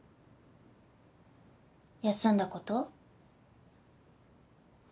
休んだこと？